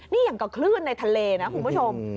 นี่อย่างกับคลื่นในทะเลนะคุณผู้ชม